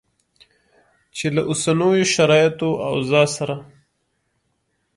چې له اوسنیو شرایطو او اوضاع سره